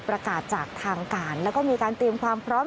ประกาศจากทางการแล้วก็มีการเตรียมความพร้อม